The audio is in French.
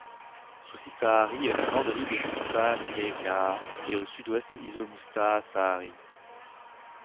Susisaari est au nord de l’île Kustaanmiekka et au sud-ouest de Iso Mustasaari.